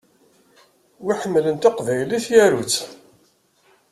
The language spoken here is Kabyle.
Win iḥemmlen taqbaylit yaru-tt!